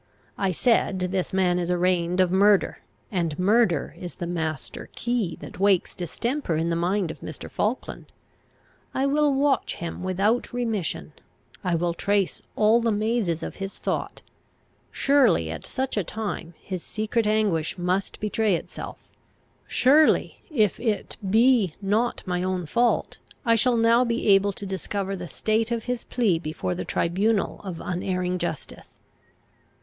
I said, this man is arraigned of murder, and murder is the master key that wakes distemper in the mind of Mr. Falkland. I will watch him without remission. I will trace all the mazes of his thought. Surely at such a time his secret anguish must betray itself. Surely, if it be not my own fault, I shall now be able to discover the state of his plea before the tribunal of unerring justice.